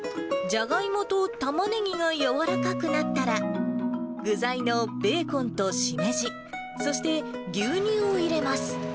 じゃがいもとたまねぎが軟らかくなったら、具材のベーコンとしめじ、そして牛乳を入れます。